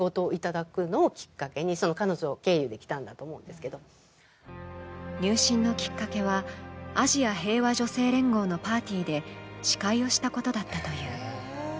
だが、一体なぜ入信のきっかけは、アジア平和女性連合のパーティーで司会をしたことだったという。